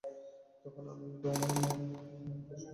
তখন আমি তোমার মারতে আসব।